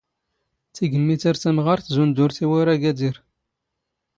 ⵜⵉⴳⵎⵎⵉ ⵜⴰⵔ ⵜⴰⵎⵖⴰⵔⵜ ⵣⵓⵏ ⴷ ⵓⵔⵜⵉ ⵡⴰⵔ ⴰⴳⴰⴷⵉⵔ